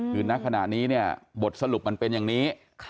คือณขณะนี้เนี่ยบทสรุปมันเป็นอย่างนี้